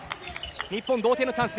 日本、同点のチャンス。